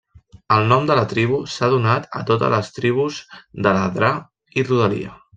El nom de la tribu s'ha donat a totes les tribus de l'Adrar i rodalia.